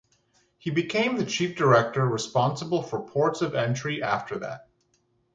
He became the chief director responsible for ports of entry after that.